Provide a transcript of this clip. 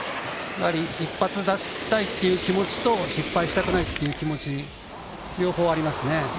やはり一発出したいという気持ちと失敗したくないっていう気持ち両方ありますね。